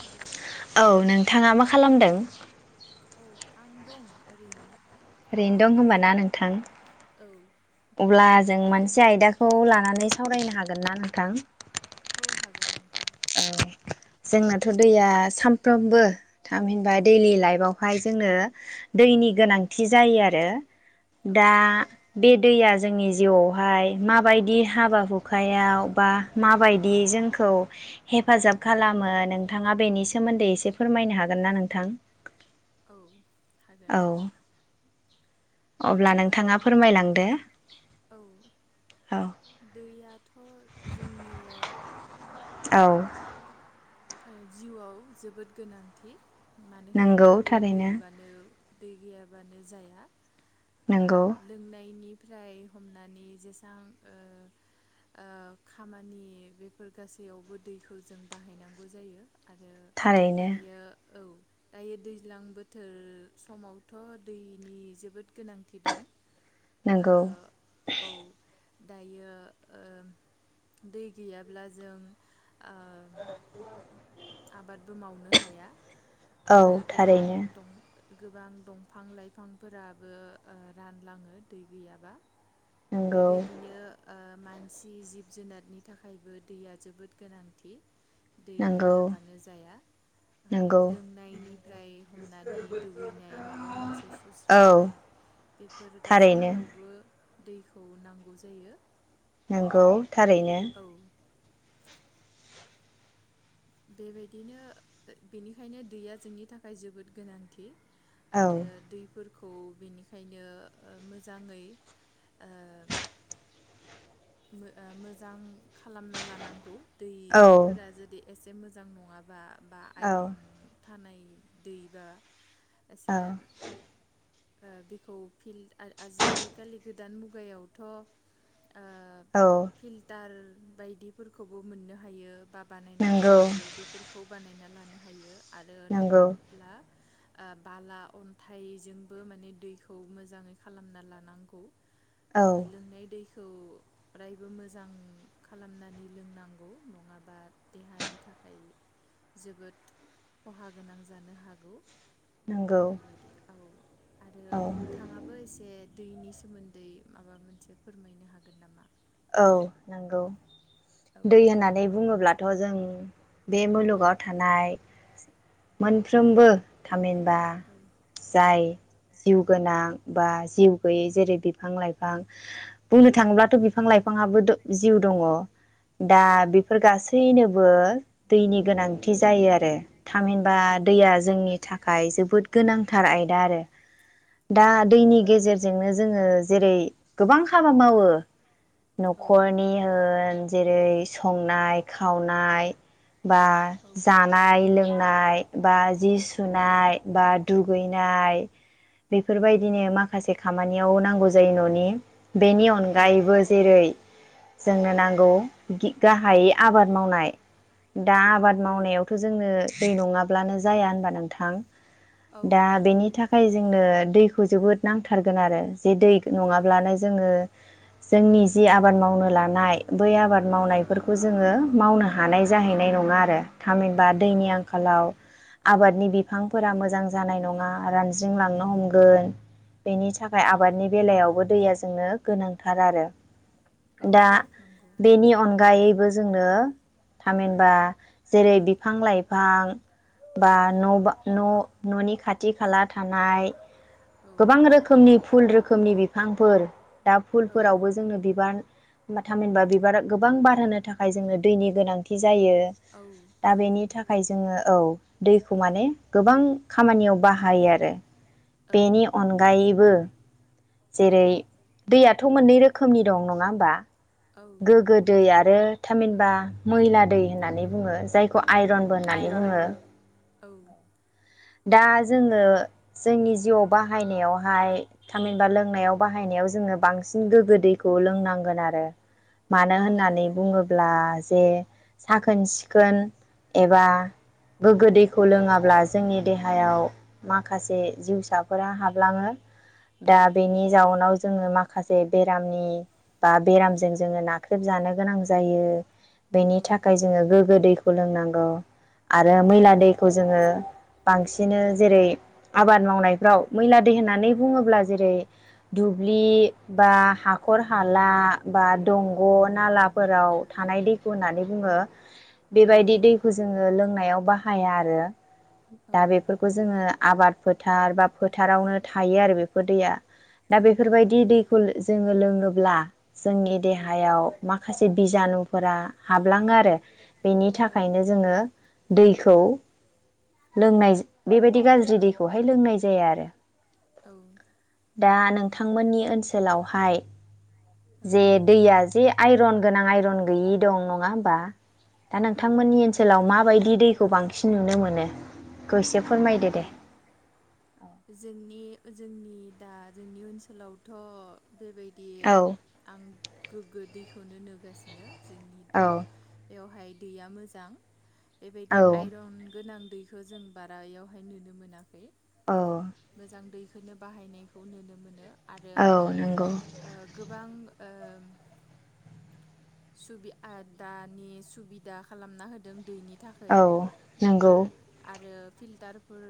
Hello औ नोंथाङा मा खालामदों? औ आं दं ओरैनो। ओरैनो दं होनबाना नोंथां औ अब्ला जों मोनसे आयदाखौ लानानै सावरायनो हागोन ना नोंथां? औ हागोन नोंथां। औ जोंनाथ' दैया सामफ्रोमबो थामहिनबा दैलि लाइफआवहाय जोंनो दैनि औ गोनांथि जायो आरो औ दा बे दैया जोंनि जिउआवहाय माबायदि हाबा हुखायाव बा माबायदि जोंखौ हेफाजाब खालामो नोंथाङा औ बेनि सोमोन्दै एसे फोरमायनो हागोन ना नोंथां? औ औ हागोन अब्ला होमबा नोंथाङा फोरमायलांदो औ अ दैयाथ' जोंनि औ ओ जिउआव जोबोद गोनांथि मानो नंगौ होनबा दै थारैनो गैयाबानो दै गैयाबानो जाया ओ नंगौ लोंनायनिफ्राय हमनानै जेसां ओ ओ खामानि बेफोर गासैयावबो दैखौ जों बाहायनां गौ जायो आरो थारैनो दायो औ दायो दैज्लां बोथोर समावथ' दैनि जोबोद गोनांथि दं। [inaudible] ओ औ दायो ओ दै गैयाब्ला जों ओ [inaudible] आबादबो मावनो हाया औ आरो गोबां थारैनो दं गोबां दंफां-लाइफांफोराबो ओ रानलाङो दै गैयाबा नंगौ बेबायदिनो ओ मानसि, जिब-जुनारनि थाखायबो दैया जोबोद गोनांथि दै नंगौ गैयाबानो जाया ओ नंगौ लोंनायनिफ्राय हमनानै दुगैनाय माबा मोनसे औ सुस्रांनाय बेफोर थारैनो गासैयावबो दैखौ नांगौ जायो। नोंगौ थारैनो औ बेबायदिनो ओ बेनिखायनो दैया जोंनि थाखाय जोबोद गोनांथि औ आरो दैफोरखौ बिनिखायनो ओ मोजाङै ओ मो-मोजां खालामना लानांगौ औ दैफोरा जुदि एसे मोजां नङाबा बा औ आइरन थानाय दैबा एसे औ ओ बेखौ फिल्ड आ-आजिखालि गोदान मुगायावथ' ओ औ फिल्टार बायदिफोरखौबो मोननो हायो बा बानायना नंगौ लानो हायो बेफोर खौ बानायना लानो हायो आरो नङा नंगौ ब्ला ओ बाला अन्थाइजों बो माने दैखौ मोजाङै खालामना लानांगौ औ ओ लोंनाय दैखौ अरायबो मोजां खालामनानै लोंनांगौ नङाबा देहानि थाखाय जोबोद खहा गोनां जानो हागौ। नंगौ बे बायदि औ आरो औ नोंथाङा ङाबो एसे दैनि सोमोन्दै माबा मोनसे फोरमायनो हागोन नामा। औ नोंगौ औ दै होननानै बुङोब्लाथ' जों बे औ मुलुगाव। थानाय मोनफ्रोमबो थामहिनबा। ओं। जाय जिउ गोनां बा जिउ गोयै जेरै बिफां लाइफां। बुंनो थाङोब्लाथ' बिफां लाइफाङाबो द जिउ दङ दा औ बेफोर गासै थैनोबो दैनि गोनांथि जायो आरो। थामहिनबा औ दैया नंगौ जोंनि थाखाय जोबोद गोनांथार आयदा आरो। दा औ दैनि नंगौ गेजेरजोंनो जोङो जेरै गोबां हाबा मावो। औ न'खरनि होन जेरै संनाय खावनाय बा। जा औ जानाय लोंनाय बा जि सुनाय बा दुगैनाय। बेफोरबायदिनो माखासे खामानियाव नांगौ जायो न'नि। बेनि औ अनगायैबो नंगौ जेरै जोंनो औ नांगौ। गि गाहायै आबाद मावनाय दा औ आबाद मावनायाव। थ जोंनो दै नङाब्लानो जाया होनबा नोंथां औ दा नंगौ बेनि थाखाय। जोंनो दैखौ जोबोद नांथारगोन आरो जे दै औ नङाब्लानो जोङो। जोंनि जि आबाद मावनो लानाय बै आबाद औ मावनायफोरखौ जों जोङो मावनो हानाय जाहैनाय नङा आरो थामहिनबा औ दैनि आंखालाव। आबादनि बिफांफोरा मोजां जानाय नङा रानज्रिंलांनो हमगोन। बेनि थाखाय आबादनि बेलायावबो दैया जोंनो गोनांथार थार आरो दा नंगौ औ बेनि अनगायैबो। जोंनो थामहिनबा जेरै बिफां लाइफां। बा न' न' न'नि खाथि खाला थानाय औ गोबां रोखो मनि फुल रोखोमनि बिफांफोर दा औ फुलफोरावबो जोंनो बिबान। होमबा थामहिनबा बिबार गोबां बारहोनो थाखाय जोंनो दैनि गोनांथि जायो। दा बेनि नंगौ थाखा खाय जोङो औ दैखौ माने गोबां खामानियाव बाहायो आरो। औ बेनि अनगायैबो जेरै। दैयाथ' मोननै रोखोमनि दं नङा होमबा। औ नंगौ औ गोग्गो नंगौ दै आरो थामहिनबा मैला दै होन नानै बुङो जायखौ आइरनबो होननानै बुङो। औ। दा जोङो जोंनि जिउआव बाहायनायावहाय। थामहिनबा लोंनायाव बाहायनायाव जोङो गोग्गो दैखौ लोंनांगोन आरो। मानो होननानै बुङोब्ला जे साखोन सिखोन एबा। गोग्गो दैखौ लोङाब्ला। जोंनि देहायाव माखासे जिउसाफोरा हाबलाङो दा औ बेनि। जाउनाव जोङो माखासे बेरामनि। बा बेरामजों जोङो नाख्रेबजानो गोनां जायो। बेनि औ थाखाय जोङो गोग्गो दैखौ लोंनांगौ आरो औ मैला दैखौ जोङो। बांसिनो जेरै आबाद मावनायफ्राव मैला दै होननानै बुङोब्ला जेरै। दुब्लि बा हाखर हाला बा औ दंग' नाला फोराव थानाय दैखौ होननानै बुङो बेबायदि दै [unintelligible] जोङो लोंनायाव बाहाया आरो। दा बेफोरखौ जोङो आबाद फोथार बा फोथारावनो थायो आरो बेफोर दैया। दा बेफोरबायदि दैखौ जोङो लोङोब्ला जोंनि औ देहायाव। माखासे बिजानुफोरा हाबलाङो आरो बेनि औ थाखायनो जोङो। दैखौ लोंनाय बेबायदि गाज्रि दैखौहाय लोंनाय जाया आरो। औ। दा नोंथांमोननि ओनसोलावहाय जे दैया जे आइरन गोनां आइरन गैयि दं नङा होमबा दा नोंथांमोननि ओन सोलाव मा बायदि दैखौ बांसिन नुनो मोनो इखो एसे फोरमायदो दे। जोंनि जोंनि दा जोंनि ओनसोलावथ' बेबायदि। औ आं गोग्गो दैखौनो नोगासिनो जोंनि। औ। बेवहाय दैया मोजां औ बेबायदि आइरन गोनां दै खो जों बारा इयावहाय नुनो मोनाखै। अ। मोजां दैखोनो बाहायनायखौ नुनो मोनो आरो। औ नंगौ ओ गोबां ओम। सुबिदा दानि सुबिदा खालामना होदों दैनि। थाखै औ नंगौ बेफोरो। आरो फिल्टारफोर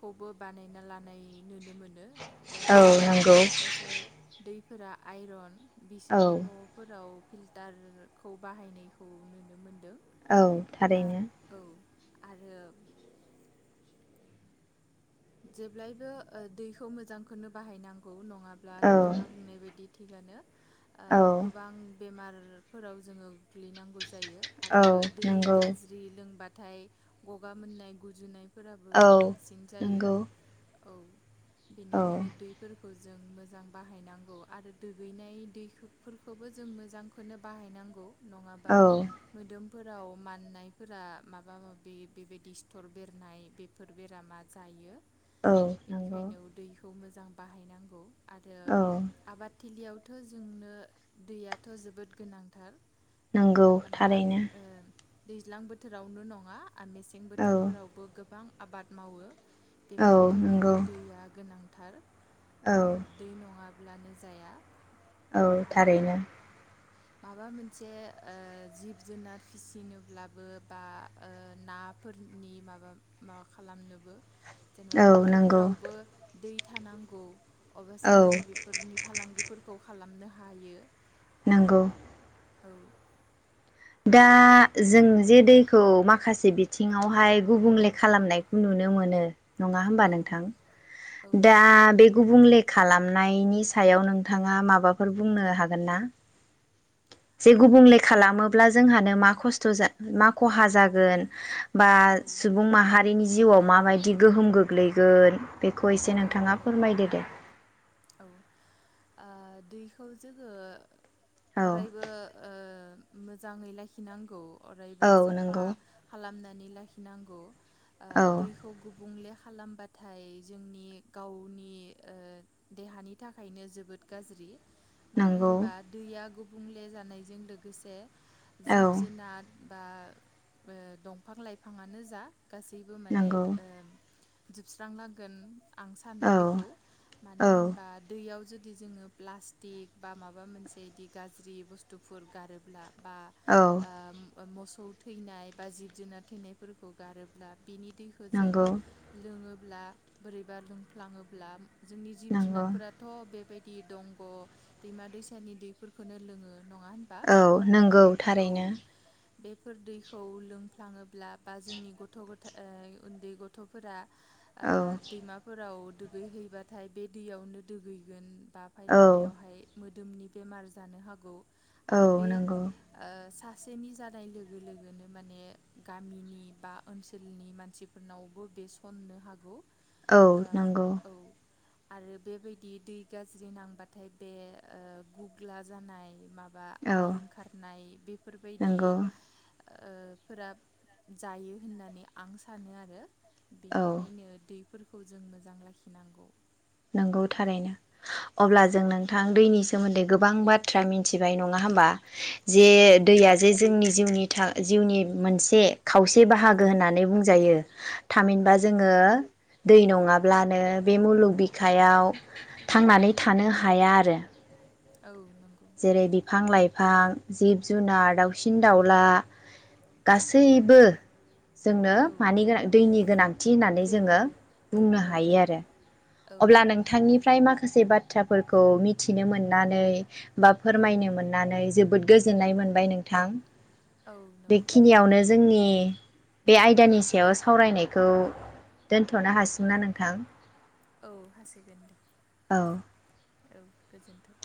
खौबो बानायना लानाय नोनो मोनो। मोनो ओ औ जाय नंगौ जायना एसे दैफोरा आइरन औ बिसोरनि न'। फोराव फिल्टारखौ बाहायनायखौ नुनो मोनदों। औ आ थारैनो। औ आरो। जेब्लायबो ओ दैखौ मोजांखोनो बाहायनांगौ नंङाब्ला औ नोंथाङा बुंनाय बायदि। थिगानो ओ औ गोबां बेमारफोराव जोङो। गोग्लैनांगौ जायो औ आरो दै नंगौ गाजि दै लोंबाथाय ग'गा मोननाय गुजुनायफोराबो औ बांसिन जायो। नंगौ औ। औ बेनिखायनो दै फोरखौ जों मोजां बाहायनांगौ आरो दुगैनाय दैखोफोरखौबो जों मोजां। खोनो बाहायनांगौ नङाबा। औ मोदोमफोराव माननायफोरा माबा माबि बेयो बेबायदि सिथर बेरनाय बे फोर बेरामा जायो। औ नंगौ बेनिखायनो दैखौ मोजां बाहायनांगौ आरो। औ आबादथिलियावथ' जोंनो दैयाथ' जोबोद गोनांथार। मानो नंगौ होनोबा थारैनो ओम। दैज्लां बोथोरावल' नङा आरो मेसें औ बोथोरफोरावबो गोबां आबाद मावो। बेफोरनि औ थाखायबो नंगौ दैया गोनांथार औ ओ। दै नङाब्लानो जाया औ आरो। थारैनो माबा मोनसे ओ जिब-जुनार फिसिनोब्लाबो बा ओ ना फोरनि माबा माबा खालामनोबो। जेनेबा औ नंगौ फुख्रिफोरावबो दै थानांगौ औ अब्लासो माने बे फोरनि फालांगिफोरखौ खालामनो हायो। नोंगौ। औ। दा जों जे दैखौ माखासे बिथिङावहाय गुबुंले औ खालामनायखौ नुनो मोनो नङा हबा औ नोंथां औ दा नंगौ दै गुबुंले खालामनायनि सायाव नोंथाङा माबाफोर बुंनो हागोन ना जे औ गुबुंले खालामोब्ला जोंहानो मा खस्थ जा मा खहा जागोन बा औ सुबुं माहारि बिनि जिउआव माबायदि गोहोम गोग्लैगोन बेखौ एसे औ नोंथाङा औ फोरमायदो दे औ ओ दैखौ जोङो औ अरायबो ओ मोजाङै लाखिनांगौ अरायबो औ साफा नंगौ खालामनानै लाखिनांगौ ओ औ दै खौ गुबुंले खालामबाथाय जोंनि गावनि ओ देहानि थाखायनो जोबोद गाज्रि मानो नंगौ होनबा दैया गुबुंले जानायजों लोगोसे औ जिब जुनार बा ओ दंफां लाइफाङानो जा गासैबो माने नंगौ ओ जोबस्रांलांगोन आं सानो औ बेखौ मानो औ होनबा दै बेयाव जुदि जोङो प्लास्टिक बा माबा मोनसे बिदि गाज्रि बुस्थुफोर गारोब्ला बा औ ओ मोसौ थैनाय बा जिब जुनार थैनायफोरखौ गारोब्ला बिनि दैखौजों नंगौ लोङोब्ला बोरैबा लोंफ्लाङोब्ला जोंनि जिब नंगौ जुनारफोरा बेथ' बेबायदि दंग' दैमा दैसानि दैफोरखौनो लोङो नङा बा औ नंगौ औ थारैनो बेफोर दैखौ लोंफ्लाङोब्ला बा जोंनि गथ गथाय ओ उन्दै गथ'फोरा औ ओ दैमाफोराव दुगैहैबाथाय बे दैयावनो दुगैगोन बा औ नाय बेवहाय मोदोमनि बेमार जानो हागौ औ आरो बे नंगौ ओ सासेनि जानाय लोगो लोगोनो माने गामिनि बा ओनसोलनि मानसि फोरनावबो बेसननो हागौ औ नंगौ ओ औ आरो बेबायदि दै गाज्रि नांबाथाय बे ओ गुग्ला जानाय माबा बा आइ औ ओंखारनाय बेफोरबायदि नंगौ ओ फोरा जायो होननानै आं सानो आरो औ बेनिखायनो दैफोरखौ जों मोजां लाखिनांगौ नोंगौ औ थारैनो अब्ला औ जों नों नोंथां दैनि सोमोन्दै गोबां बाथ्रा मिथिबाय नङा होमबा जे औ दैया नंगौ जे जोंनि जिउनि था जिउनि मोनसे खावसे दै बाहागो होननानै बुंजायो औ थामहिनबा जोङो दै नङाब्लानो बे मुलुग बिखायाव थांनानै थानो हाया आरो औ नंगौ जेरै बिफां लाइफां जिब जुनार दाउसिन दाउला गासैबो जोंनो औ मानि गोनां दैनि गोनांथि होननानै जोङो दोंनि बुंनो औ हायो आरो औ अब्ला नोंथांनिफ्राय माखासे बाथ्राफोरखौ मिथिनो मोननानै बा औ फोरमायनो मोन नानै जोबोद गोजोन्नाय मोनबाय नोंथां औ नंगौ बेखिनियावनो जोंनि बे आयदानि सायाव सावरायनायखौ दोनथ'नो हासिगोना नोंथां औ हासिगोन दे औ औ गोजोन्थों